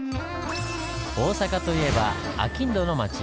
大阪といえば商人の町。